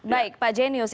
baik pak jenius